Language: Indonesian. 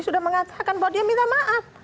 sudah mengatakan bahwa dia minta maaf